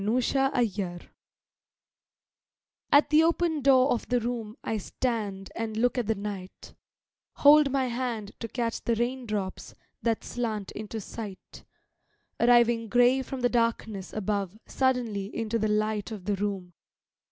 RESTLESSNESS AT the open door of the room I stand and look at the night, Hold my hand to catch the raindrops, that slant into sight, Arriving grey from the darkness above suddenly into the light of the room.